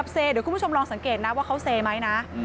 เซเดี๋ยวคุณผู้ชมลองสังเกตนะว่าเขาเซไหมนะ